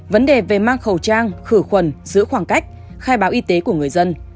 vấn đề về mang khẩu trang khử khuẩn giữa khoảng cách khai báo y tế của người dân